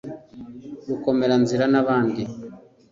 rukomera-nzira n'abandi